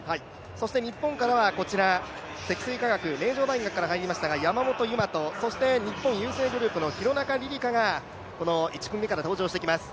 そして日本からは積水化学、名城大学から入りましたが山本有真と日本郵政グループの廣中璃梨佳が１組目から登場してきます。